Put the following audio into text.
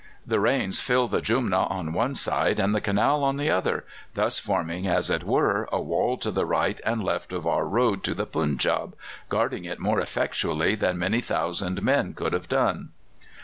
The rains filled the Jumna on one side and the canal on the other, thus forming, as it were, a wall to the right and left of our road to the Punjab, guarding it more effectually than many thousand men could have done."